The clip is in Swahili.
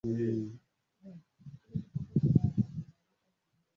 wavulana kutoka kaskazini hufanya mashindano ya kunyanganyana pembe ya ngombe